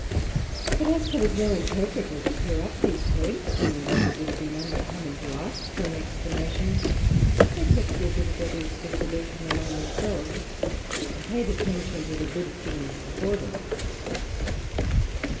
But as there was no interpreter to clear up these points, and as it would have been unbecoming to ask for an explanation, they kept their difficulties for solution among themselves, and paid attention to the good things before them.